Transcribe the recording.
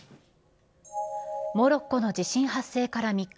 モロッコの地震発生から３日。